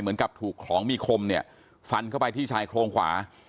เหมือนกับถูกของมีคมเนี่ยฟันเข้าไปที่ชายโครงขวา